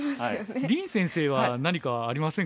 林先生は何かありませんか？